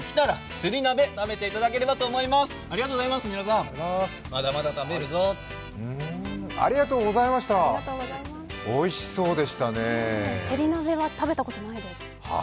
せり鍋は食べたことないです。